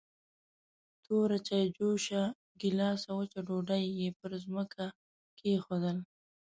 توره چايجوشه، ګيلاس او وچه ډوډۍ يې پر ځمکه کېښودل.